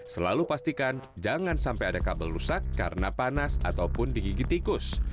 selalu pastikan jangan sampai ada kabel rusak karena panas ataupun digigit tikus